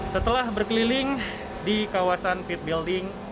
setelah berkeliling di kawasan pit building